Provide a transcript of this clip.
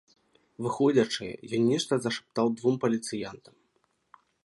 Выходзячы, ён нешта зашаптаў двум паліцыянтам.